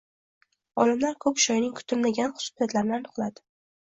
Olimlar ko‘k choyning kutilmagan xususiyatlarini aniqladi